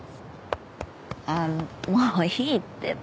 ああもういいってば。